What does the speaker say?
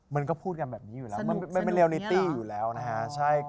มันก็พูดกันแบบนี้อยู่แล้วมันไม่เรียลิตตี้อยู่แล้วนะฮะ